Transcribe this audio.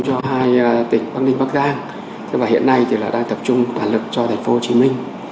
tại tỉnh quang ninh bắc giang và hiện nay thì là đang tập trung toàn lực cho thành phố hồ chí minh